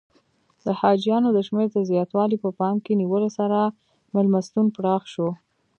د حاجیانو د شمېر د زیاتوالي په پام کې نیولو سره میلمستون پراخ شو.